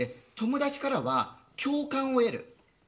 友達からは共感を得る。